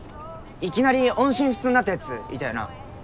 いきなり音信不通になったヤツいたよな？